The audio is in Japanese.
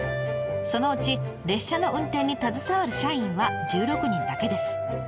そのうち列車の運転に携わる社員は１６人だけです。